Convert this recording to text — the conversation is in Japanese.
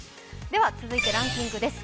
続いてランキングです。